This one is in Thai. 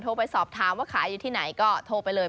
ไปสอบถามว่าขายอยู่ที่ไหนก็โทรไปเลย